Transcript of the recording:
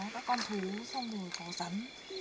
các con thú xong rồi có rắn